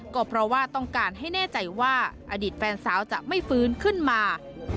ก็เพราะว่าต้องการให้แน่ใจว่าอดีตแฟนสาวจะไม่ฟื้นขึ้นมา